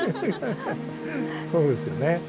そうですよね。